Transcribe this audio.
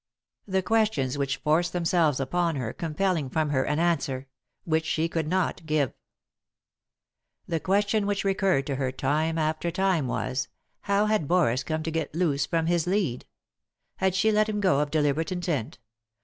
The questions which forced themselves upon her, compelling from her an answer — which she could not give 1 The question which recurred to her time after time was — how had Boris come to get loose from his lead ? Had she let him go of deliberate intent